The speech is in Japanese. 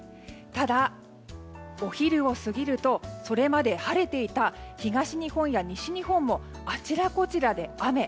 ただお昼を過ぎるとそれまで晴れていた東日本や西日本もあちらこちらで雨。